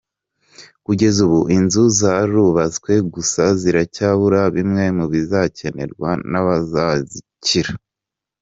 Kugeza ubu inzu zarubatswe gusa ziracyabura bimwe mu bizakenerwa n’abazazakira.